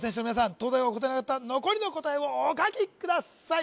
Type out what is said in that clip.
東大王が答えなかった残りの答えをお書きください